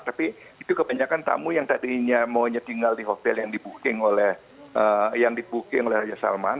tapi itu kebanyakan tamu yang tadinya maunya tinggal di hotel yang dibuking oleh raja salman